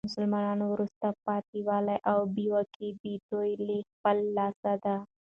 د مسلمانانو وروسته پاته والي او بي واکي د دوې له خپله لاسه ده.